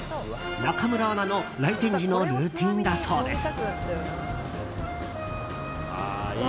中村アナの来店時のルーティンだそうです。